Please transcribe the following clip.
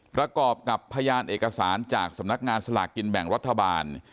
ประกอบกับพยานเอกสารจากสำนักงานสลากกินแบ่งรัฐบาล